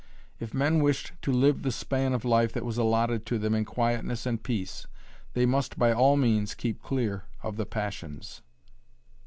If men wished to live the span of life that was allotted to them in quietness and peace, they must by all means keep clear of the passions.